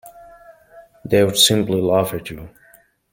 They'd simply laugh at you.